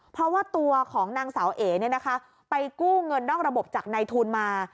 เพราะว่าตัวของนางสาวเอ๋ไปกู้เงินนอกระบบจากในทุนมา